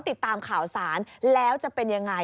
สงสารพวกเขา